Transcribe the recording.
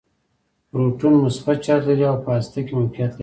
پروټون مثبت چارچ لري او په هسته کې موقعیت لري.